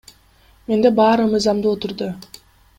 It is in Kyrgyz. Менде баары мыйзамдуу түрдө.